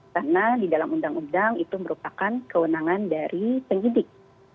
karena di dalam undang undang itu merupakan kewenangan dari penyidik